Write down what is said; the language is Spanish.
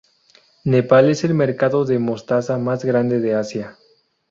Nepal es el mercado de mostaza más grande de Asia.